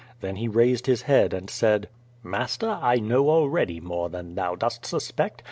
Then he raised his head and said: "Master, I know already more than thou dost suspect.